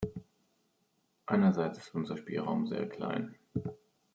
Einerseits ist unser Spielraum sehr klein.